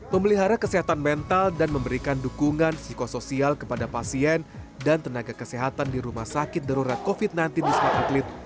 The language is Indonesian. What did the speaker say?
memelihara kesehatan mental dan memberikan dukungan psikosoial kepada pasien dan tenaga kesehatan di rumah sakit darurat covid sembilan belas di wisma atlet